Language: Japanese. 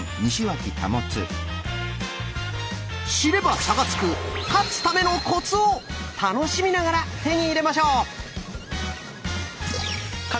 知れば差がつく「勝つためのコツ」を楽しみながら手に入れましょう！